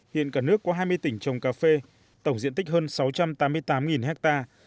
hiện cả nước có hai mươi tỉnh trồng cà phê tổng diện tích hơn sáu trăm tám mươi tám hectare